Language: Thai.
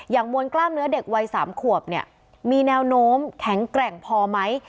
มวลกล้ามเนื้อเด็กวัย๓ขวบเนี่ยมีแนวโน้มแข็งแกร่งพอไหม